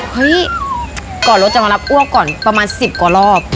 เฮ้ยก่อนรถจะมารับอ้วกก่อนประมาณ๑๐กว่ารอบ